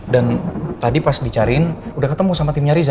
dan tadi pas dicariin udah ketemu sama timnya riza